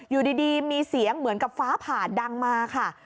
อยู่ดีมีเสียงเหมือนกับฟ้าผ่าดังมาค่ะ